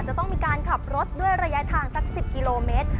จะต้องมีการขับรถด้วยระยะทางสัก๑๐กิโลเมตร